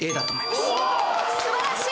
すばらしい！